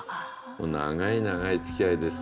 長い長いつきあいです。